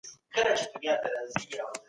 علمي او فکري بډاينه پر ټولنه ښه اغېز شیندي.